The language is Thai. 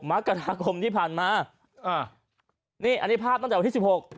มกราคมที่ผ่านมาอ่านี่อันนี้ภาพตั้งแต่วันที่สิบหก